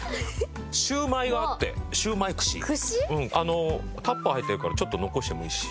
あのタッパー入ってるからちょっと残してもいいし。